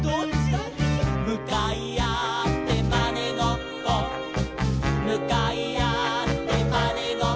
「むかいあってまねごっこ」「むかいあってまねごっこ」